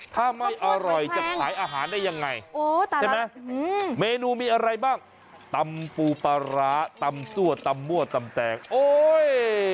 ถ้าไม่อร่อยจะขายอาหารได้ยังไงใช่ไหมเมนูมีอะไรบ้างตำปูปลาร้าตำซั่วตำมั่วตำแตกโอ้ย